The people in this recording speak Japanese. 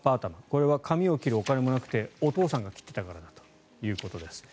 これは髪を切るお金もなくてお父さんが切っていたからだということです。